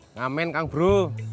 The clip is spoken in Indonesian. ngamen kang bro